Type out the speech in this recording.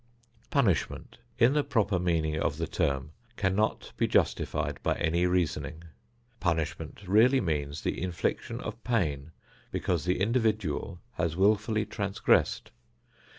Punishment, in the proper meaning of the term, cannot be justified by any reasoning. Punishment really means the infliction of pain because the individual has wilfully transgressed.